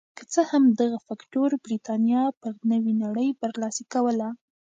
که څه هم دغه فکټور برېتانیا پر نورې نړۍ برلاسې کوله.